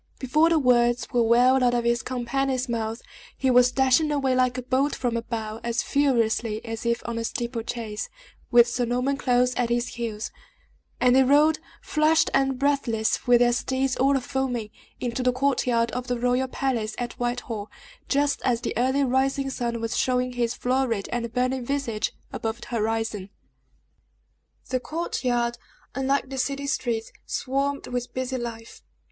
Before the words were well out of his companion's mouth, he was dashing away like a bolt from a bow, as furiously as if on a steeple chase, with Sir Norman close at his heels; and they rode, flushed and breathless, with their steeds all a foaming, into the court yard of the royal palace at Whitehall, just as the early rising sun was showing his florid and burning visage above the horizon. The court yard, unlike the city streets, swarmed with busy life.